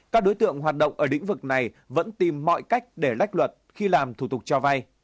các đối tượng hoạt động ở lĩnh vực này vẫn tìm mọi cách để lách luật khi làm thủ tục cho vay